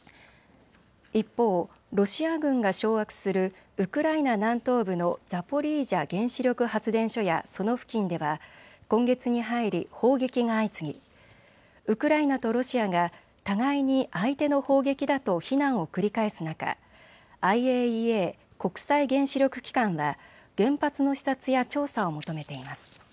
一方、ロシア軍が掌握するウクライナ南東部のザポリージャ原子力発電所やその付近では今月に入り砲撃が相次ぎウクライナとロシアが互いに相手の砲撃だと非難を繰り返す中、ＩＡＥＡ・国際原子力機関は原発の視察や調査を求めています。